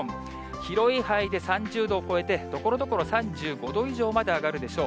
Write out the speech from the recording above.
広い範囲で３０度を超えて、ところどころ３５度以上まで上がるでしょう。